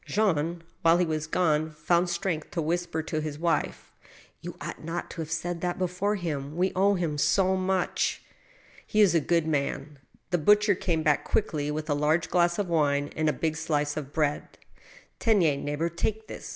Jean, while he was gone, found strength to whisper to his wife :" You ought not to have said that before him, ... we owe him CO much !"" He is a good man." The butcher came back quickly with a large glass of wine and a big slice of bread. " Tenes, neighbor, take that.